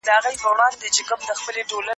تجربه ښه ښوونکې ده.